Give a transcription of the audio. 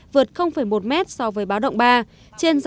vượt một m so với báo động ba